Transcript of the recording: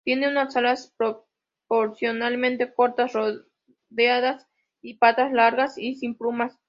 Tienen unas alas proporcionalmente cortas, redondeadas, y patas largas y sin plumas.